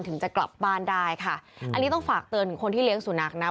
ถึงจะกลับบ้านได้ค่ะอันนี้ต้องฝากเตือนถึงคนที่เลี้ยงสุนัขนะ